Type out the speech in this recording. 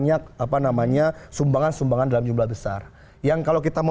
apa saya pengelolanya